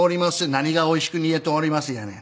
何が「おいしく煮えております」やねん。